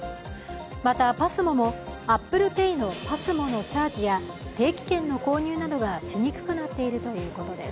またＰＡＳＭＯもＡｐｐｌｅＰａｙのＰＡＳＭＯのチャージや定期券の購入などがしにくくなっているということです。